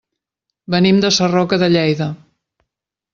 Venim de Sarroca de Lleida.